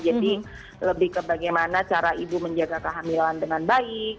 lebih ke bagaimana cara ibu menjaga kehamilan dengan baik